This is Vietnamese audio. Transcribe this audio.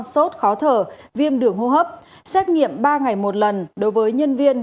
sốt khó thở viêm đường hô hấp xét nghiệm ba ngày một lần đối với nhân viên